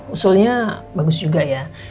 usulnya bagus juga ya